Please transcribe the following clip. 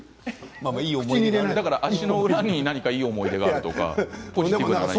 足の裏にいい思い出があるんですか？